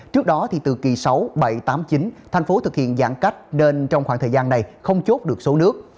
trước đó từ kỳ sáu bảy tám mươi chín thành phố thực hiện giãn cách nên trong khoảng thời gian này không chốt được số nước